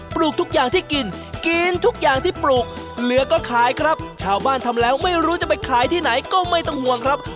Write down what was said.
ลูกทุกอย่างที่กินกินทุกอย่างที่ปลูกเหลือก็ขายครับชาวบ้านทำแล้วไม่รู้จะไปขายที่ไหนก็ไม่ต้องห่วงครับ